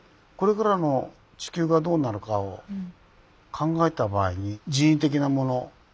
これからの地球がどうなるかを考えた場合に人為的なもの